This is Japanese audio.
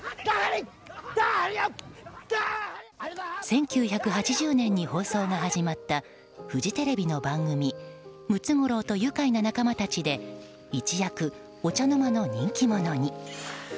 １９８０年に放送が始まったフジテレビの番組「ムツゴロウとゆかいな仲間たち」で一躍お茶の間の人気者に。